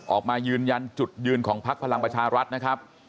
ออกมายืนยันจุดยืนของพักพลังประชารัฐนะครับ